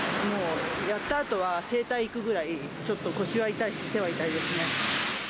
もうやったあとは整体行くぐらい、ちょっと腰は痛いし、手は痛いですね。